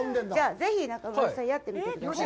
ぜひ中丸さん、やってみてください。